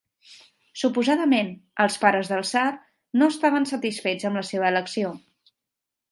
Suposadament, els pares del tsar no estaven satisfets amb la seva elecció.